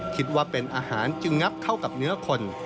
คิดว่าเป็นอาหารจึงงับเข้ากับเนื้อคน